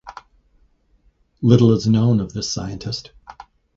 Little is known of this scientist.